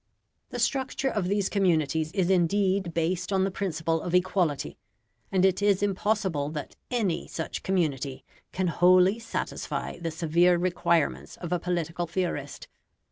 The structure of these communities is indeed based on the principle of equality, and it is impossible that ANY such community can wholly satisfy the severe requirements of a political theorist.